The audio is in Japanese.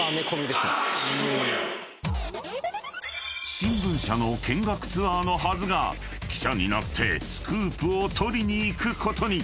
［新聞社の見学ツアーのはずが記者になってスクープを撮りに行くことに］